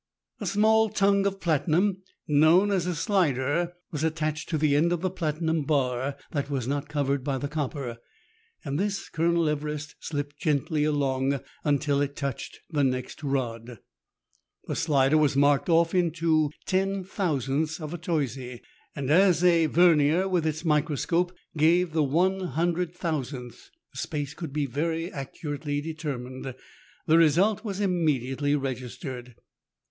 A small tongue of platinum, known as a slider, was attached to the end of the platinum bar that was not covered by the copper, and this Colonel Everest slipped gently along until it touched the next rod. The slider was marked off into io, oooths of a toise, and as a vernier with its microscope gave the ioo, oooths, the space could be very accurately determined. The result was immediately registered.